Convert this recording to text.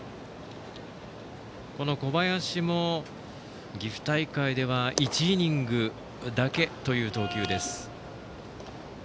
小林も岐阜大会では２イニングだけという投球です。